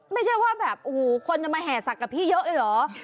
ไม่ใช่ว่าแบบโอ้โหคนจะมาแห่สักกับพี่เยอะเลยเหรอ